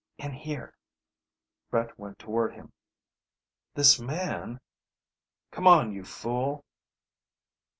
"In here." Brett went toward him. "This man ..." "Come on, you fool!"